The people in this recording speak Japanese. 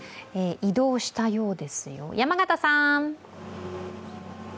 移動したようですよ、山形さん！